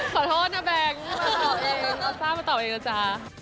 ขอโทษนะแบงค์มาตอบเองทราบมาตอบเองนะจ๊ะ